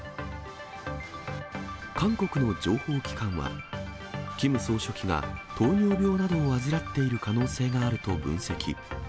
韓国の情報機関は、キム総書記が糖尿病などを患っている可能性があると分析。